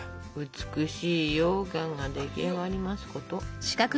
美しいようかんが出来上がりますこと。